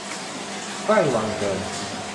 ใกล้วังเกิน